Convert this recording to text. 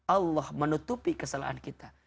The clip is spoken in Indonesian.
allah menutupi kesalahan kita